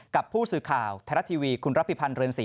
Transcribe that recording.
กับผู้สื่อข่าวไทยรัฐทีวีคุณรับพิพันธ์เรือนศรี